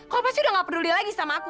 kalo pasti udah gak peduli lagi sama aku kan